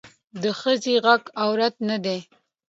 د ښخي غږ عورت نه دی